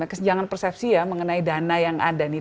kesenjangan persepsi ya mengenai dana yang ada nih